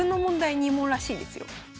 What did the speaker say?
２問らしいですよ。